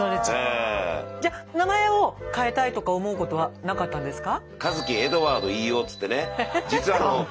じゃ名前を変えたいとか思うことはなかったんですか？